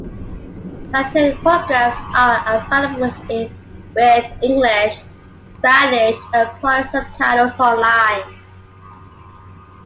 Selected programmes are available with English, Spanish and Polish subtitles online.